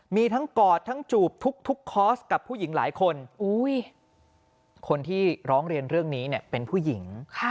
มีทั้งกอดทั้งจูบทุกคอร์สกับผู้หญิงหลายคนคนที่ร้องเรียนเรื่องนี้เนี่ยเป็นผู้หญิง